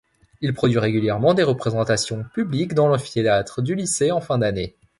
Il produit régulièrement des représentations publiques dans l'amphithéâtre du Lycée en fin d'année.